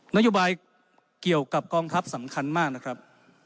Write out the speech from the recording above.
นโยบายเกี่ยวกับกองทัพสำคัญมากนะครับ